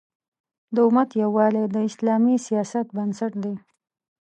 د امت یووالی د اسلامي سیاست بنسټ دی.